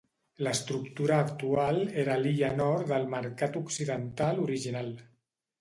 L'estructura actual era l'illa nord del mercat occidental original.